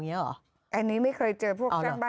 มันไม่เคยเจอแล้ว